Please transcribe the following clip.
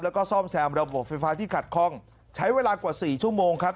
แล้วก็ซ่อมแซมระบบไฟฟ้าที่ขัดคล่องใช้เวลากว่าสี่ชั่วโมงครับ